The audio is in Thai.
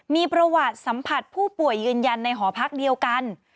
มีประวัติสัมผัสผู้ป่วยยืนยันในหอพักเดียวกัน